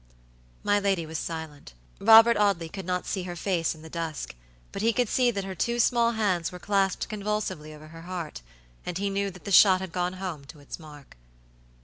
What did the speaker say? My lady was silent. Robert Audley could not see her face in the dusk, but he could see that her two small hands were clasped convulsively over her heart, and he knew that the shot had gone home to its mark.